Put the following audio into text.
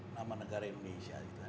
nama negara indonesia